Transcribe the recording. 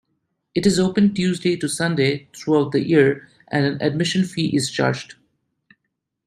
It is open Tuesday-Sunday throughout the year, and an admission fee is charged.